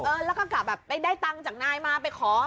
แล้วก็กลับแบบไปได้ตังค์จากนายมาไปขอ